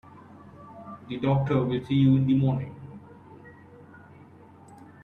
The doctor will see you in the morning.